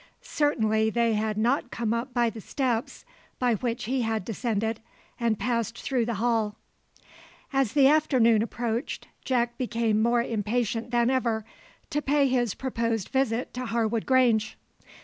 Certainly they had not come up by the steps by which he had descended, and passed through the hall. As the afternoon approached, Jack became more impatient than ever to pay his proposed visit to Harwood Grange.